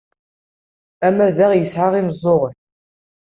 Amadaɣ yesɛa imeẓẓuɣen!